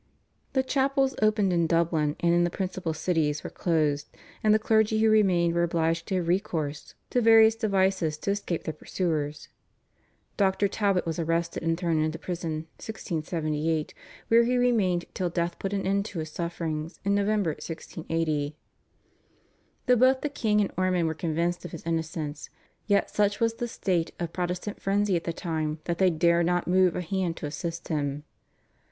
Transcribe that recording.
The chapels opened in Dublin and in the principal cities were closed, and the clergy who remained were obliged to have recourse to various devices to escape their pursuers. Dr. Talbot was arrested and thrown into prison (1678), where he remained till death put an end to his sufferings in November 1680. Though both the king and Ormond were convinced of his innocence, yet such was the state of Protestant frenzy at the time that they dare not move a hand to assist him.